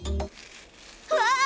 わあ！